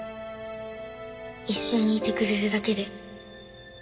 一緒にいてくれるだけで。